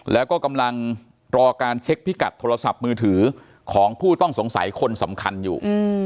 แล้วก็กำลังรอการเช็คพิกัดโทรศัพท์มือถือของผู้ต้องสงสัยคนสำคัญอยู่